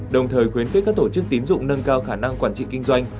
đồng thời khuyến khích các tổ chức tín dụng nâng cao khả năng quản trị kinh doanh